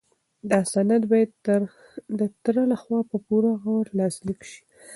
دا سند باید د تره لخوا په پوره غور لاسلیک شي.